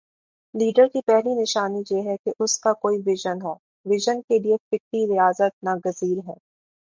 Leader کی پہلی نشانی یہ ہے کہ اس کا کوئی وژن ہو وژن کے لیے فکری ریاضت ناگزیر ہے۔